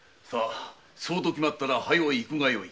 そうと決まったら早く行くがよい。